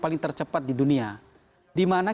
paling tercepat di dunia dimana